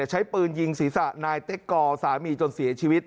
ใช้ปืนยิงศีรษะนายเต็กกอสามีจนเสียชีวิต